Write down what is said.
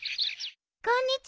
こんにちは。